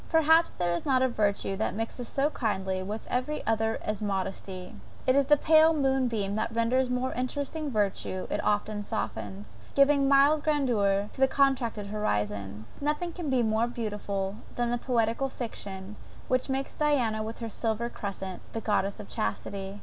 Perhaps there is not a virtue that mixes so kindly with every other as modesty. It is the pale moon beam that renders more interesting every virtue it softens, giving mild grandeur to the contracted horizon. Nothing can be more beautiful than the poetical fiction, which makes Diana with her silver crescent, the goddess of chastity.